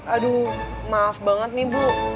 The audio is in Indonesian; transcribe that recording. aduh maaf banget nih bu